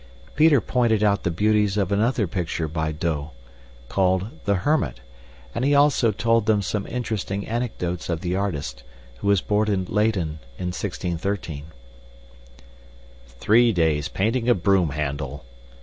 Peter pointed out the beauties of another picture by Douw, called "The Hermit," and he also told them some interesting anecdotes of the artist, who was born at Leyden in 1613. "Three days painting a broom handle!"